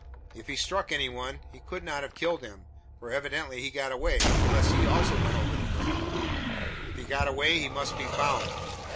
If he struck any one, he could not have killed him; for evidently he got away, unless he also went over the brink. If he got away, he must be found.